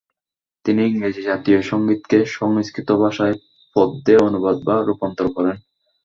তিনি ইংরেজি জাতীয় সঙ্গীতকে সংস্কৃত ভাষায় পদ্যে অনুবাদ বা রূপান্তর করেন।